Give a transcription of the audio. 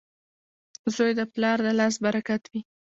• زوی د پلار د لاس برکت وي.